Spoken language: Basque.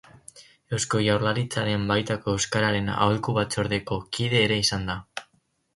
Eusko Jaurlaritzaren baitako Euskararen Aholku Batzordeko kide ere izan da.